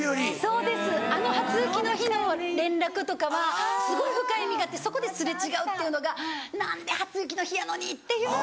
そうですあの初雪の日の連絡とかはすごい深い意味があってそこで擦れ違うっていうのが何で初雪の日やのに！っていう。